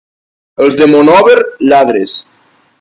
Els de Monòver, lladres.